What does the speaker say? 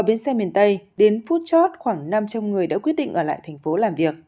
với xe miền tây đến phút chót khoảng năm trăm linh người đã quyết định ở lại thành phố làm việc